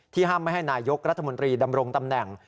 ห้ามไม่ให้นายกรัฐมนตรีดำรงตำแหน่ง